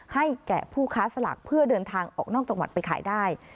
ให้แก่ผู้ค้าสลากเพื่อเดินทางออกนอกจังหวัดไปขายได้